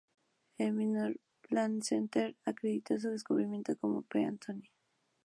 El Minor Planet Center acredita sus descubrimientos como P. Antonini.